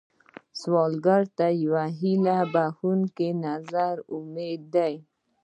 سوالګر ته یو هيله بښونکی نظر امید دی